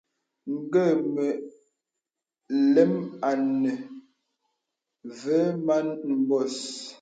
Nge mə lə̀m āne və mān mbūs.